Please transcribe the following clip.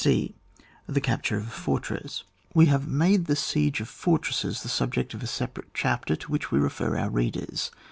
(f.) The capture of a fortress, — We have made the siege of fortresses the subject of a separate chapter, to which we refer our readers.